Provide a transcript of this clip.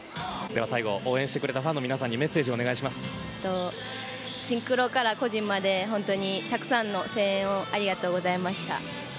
最後、応援してくれたファンの皆さんにシンクロから個人まで本当にたくさんの声援をありがとうございました。